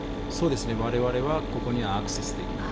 我々はここにアクセスできない。